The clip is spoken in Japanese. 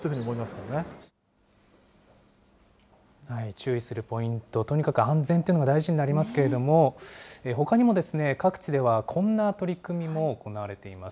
注意するポイント、とにかく安全というのが大事になりますけれども、ほかにも各地ではこんな取り組みも行われています。